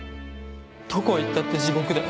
どこへ行ったって地獄だよ。